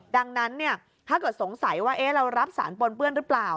ดังนั้นถ้าเกิดสงสัยว่าเรารับสารปนเปื้อนหรือเปล่า